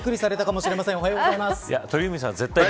おはようございます。